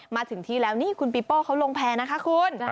มาถึงที่แล้วนี่คุณปีโป้เขาลงแพร่นะคะคุณ